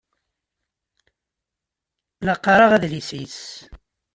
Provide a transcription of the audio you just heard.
La qqaṛeɣ adlis-is.